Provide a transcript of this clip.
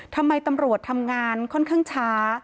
ทำไมตำรวจทำงานค่อนข้างช้า